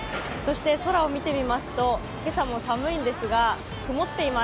空を見てみますと今朝も寒いんですが曇っています。